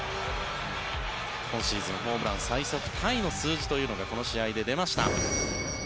今シーズンホームラン最速タイの数字というのがこの試合で出ました。